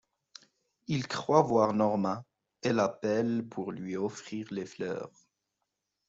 Il croit voir Norma et l'appelle pour lui offrir les fleurs.